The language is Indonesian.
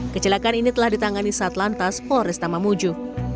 kecelakan ini telah ditangani saat lantas polres tamamuju